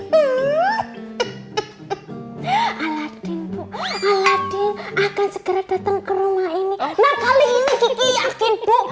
hmm aladin bu aladin akan segera datang ke rumah ini nah kali ini kiki yakin bu